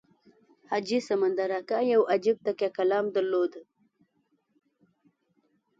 حاجي سمندر اکا یو عجیب تکیه کلام درلود.